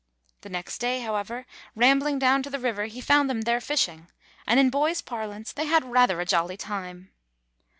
The next day, however, rambling down to the river, he found them there fishing, and, in boy's par lance, they had rather a jolly time.